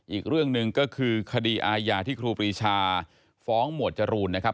อีกเรื่องหนึ่งก็คือคดีอาญาที่ครูปรีชาฟ้องหมวดจรูนนะครับ